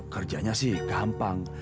kerjanya sih gampang